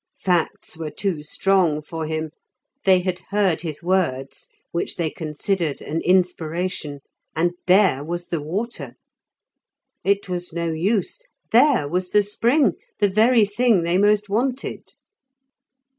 Facts were too strong for him. They had heard his words, which they considered an inspiration, and there was the water. It was no use; there was the spring, the very thing they most wanted.